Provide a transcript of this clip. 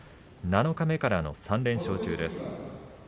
七日目からの３連勝中です。